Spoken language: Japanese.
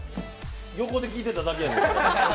横で聞いてただけや。